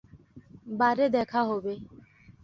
বারে দেখা হবে।